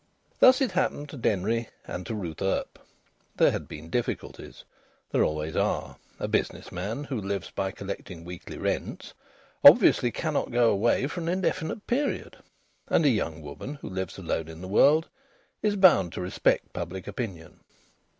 Thus it happened to Denry and to Ruth Earp. There had been difficulties there always are. A business man who lives by collecting weekly rents obviously cannot go away for an indefinite period. And a young woman who lives alone in the world is bound to respect public opinion.